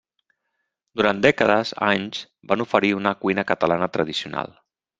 Durant dècades anys van oferir cuina catalana tradicional.